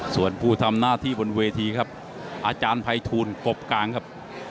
ส่วนผู้ทำหน้าที่บนเวทีครับอาจารย์ภัยทูลกบกลางครับ